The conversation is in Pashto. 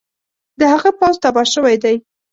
د هغه پوځ تباه شوی دی.